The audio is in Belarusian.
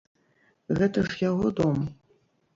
Гэта ж яго дом!